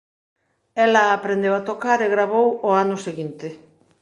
Ela aprendeu a tocar e gravou ao ano seguinte.